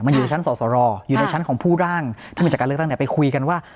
อยู่ในชั้นสอสรอยู่ในชั้นของผู้ร่างที่มาจากการเลือกตั้งไปคุยกันว่า